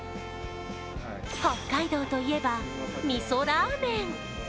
北海道といえば、みそラーメン。